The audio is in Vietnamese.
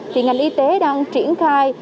thì ngành y tế đang triển khai